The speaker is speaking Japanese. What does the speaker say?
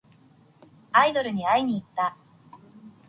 アイドルに会いにいった。